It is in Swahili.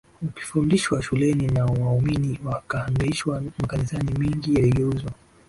ukafundishwa shuleni na waumini wakahangaishwa Makanisa mengi yaligeuzwa